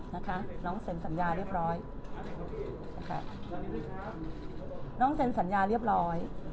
นะคะน้องเซ็นสัญญาเรียบร้อยนะคะน้องเซ็นสัญญาเรียบร้อย